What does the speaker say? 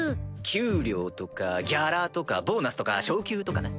給料とかギャラとかボーナスとか昇給とかな。